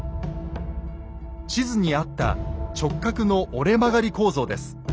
地図にあった直角の折れ曲がり構造です。